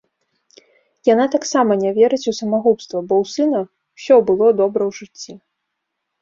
Яна таксама не верыць у самагубства, бо ў сына ўсё было добра ў жыцці.